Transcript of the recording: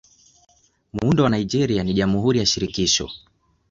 Muundo wa Nigeria ni Jamhuri ya Shirikisho.